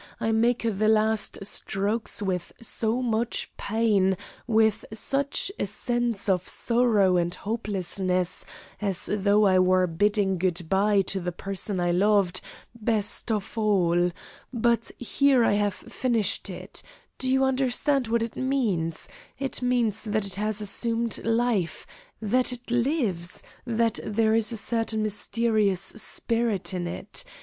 I make the last strokes with so much pain, with such a sense of sorrow and hopelessness, as though I were bidding good bye to the person I loved best of all. But here I have finished it. Do you understand what it means? It means that it has assumed life, that it lives, that there is a certain mysterious spirit in it.